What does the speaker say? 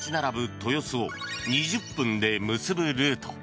豊洲を２０分で結ぶルート。